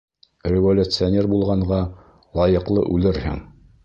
Революционер булғанға, лайыҡлы үлерһең.